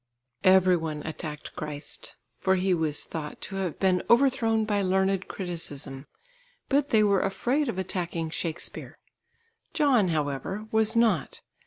Every one attacked Christ, for He was thought to have been overthrown by learned criticism, but they were afraid of attacking Shakespeare. John, however, was not.